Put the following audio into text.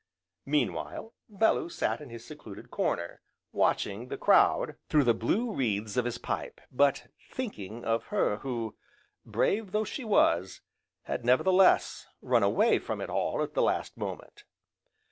Meanwhile, Bellew sat in his secluded corner, watching the crowd through the blue wreaths of his pipe, but thinking of her who, brave though she was, had nevertheless run away from it all at the last moment.